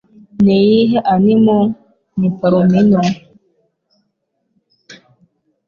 Ni iyihe Animal ni Palomino